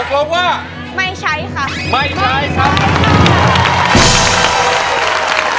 ไม่ใช้ไม่ใช้ไม่ใช้ไม่ใช้